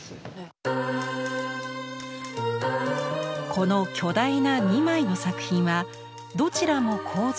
この巨大な２枚の作品はどちらも構図は同じ。